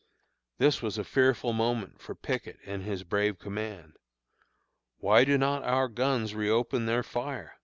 This was a fearful moment for Pickett and his brave command. Why do not our guns reopen their fire?